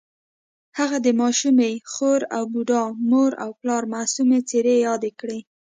هغه د ماشومې خور او بوډا مور او پلار معصومې څېرې یادې کړې